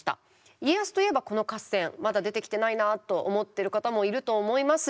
家康といえばこの合戦まだ出てきてないなと思ってる方もいると思います！